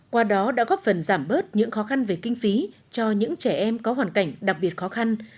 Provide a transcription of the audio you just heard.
qua đó đã góp phần giảm bớt những khó khăn về kinh phí cho những trẻ em có hoàn cảnh đặc biệt khó khăn